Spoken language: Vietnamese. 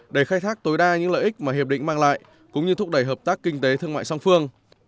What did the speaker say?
để khai thác tối đa những lợi ích mà hiệp định mang lại cũng như thúc đẩy hợp tác kinh tế thương mại song phương